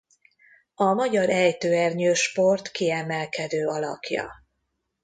A magyar ejtőernyős sport kiemelkedő alakja.